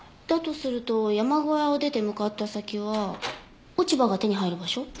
だとすると山小屋を出て向かった先は落ち葉が手に入る場所？